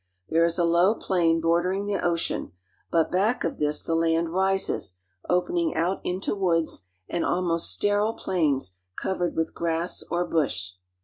There is a low plain bor I deringthe ocean; but back of this the land rises, opening 1 out into woods and almost sterile plains covered with grass 1 or bush.